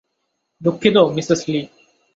দুঃখিত, Mrs Li.